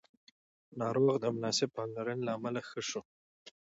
ناروغ د مناسبې پاملرنې له امله ښه شو